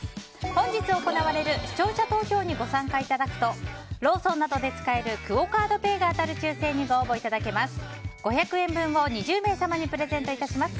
本日行われる視聴者投票に参加いただくとローソンなどで使えるクオ・カードペイが当たる抽選にご応募いただけます。